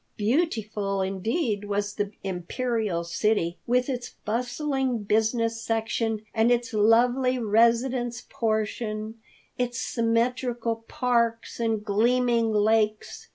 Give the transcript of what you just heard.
Beautiful indeed was the Imperial City, with its bustling business section and its lovely residence portion, its symmetrical parks and gleaming lakes.